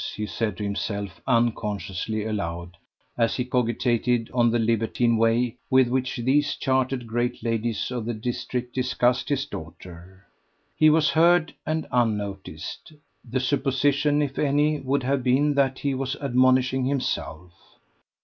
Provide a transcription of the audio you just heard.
he said to himself unconsciously aloud, as he cogitated on the libertine way with which these chartered great ladies of the district discussed his daughter. He was heard and unnoticed. The supposition, if any, would have been that he was admonishing himself.